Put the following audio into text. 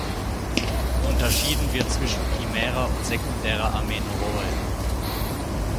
Unterschieden wird zwischen primärer und sekundärer Amenorrhoe.